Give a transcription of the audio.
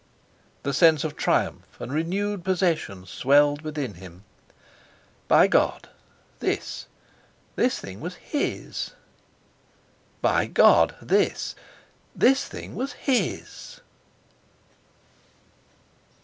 The sense of triumph and renewed possession swelled within him. By God! this—this thing was his! By God! this—this thing was _his!